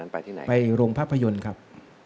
ไปโรงภาพยนตร์ครับ